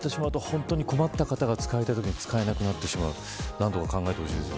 そうなってしまうと本当に困った方が使いたいときに使えなくなってしまう。